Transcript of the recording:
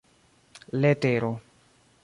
letero